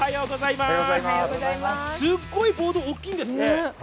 すっごいボード、大きいんですね。